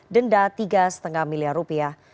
denda tiga lima miliar rupiah